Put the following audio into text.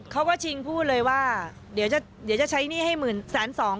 เขาก็ชิงพูดเลยว่าเดี๋ยวจะใช้หนี้ให้หมื่นแสนสอง